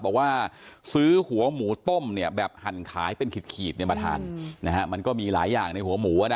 บอกว่าซื้อหัวหมูต้มเนี่ยแบบหั่นขายเป็นขีดเนี่ยมาทานนะฮะมันก็มีหลายอย่างในหัวหมูอ่ะนะ